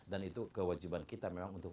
dan itu kewajiban kita untuk